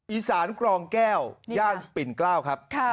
อีสานกรองแก้วย่านปิ่นเกล้าครับ